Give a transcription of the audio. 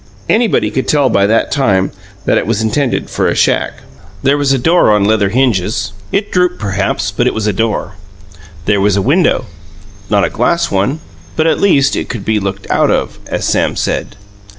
Anybody could tell, by that time, that it was intended for a shack. There was a door on leather hinges; it drooped, perhaps, but it was a door. There was a window not a glass one, but, at least, it could be "looked out of", as Sam said.